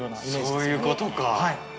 そういうことか。